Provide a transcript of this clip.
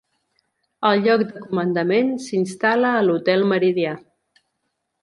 El lloc de comandament s'instal·la a l'Hotel Meridià.